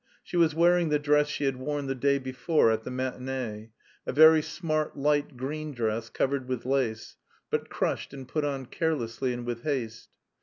She was wearing the dress she had worn the day before at the matinée a very smart light green dress covered with lace, but crushed and put on carelessly and with haste.